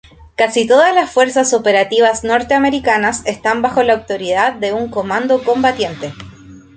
Casi todas las fuerzas operativas norteamericanas están bajo la autoridad de un Comando Combatiente.